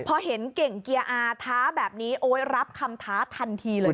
พอเห็นเก่งเกียร์อาท้าแบบนี้โอ๊ยรับคำท้าทันทีเลยค่ะ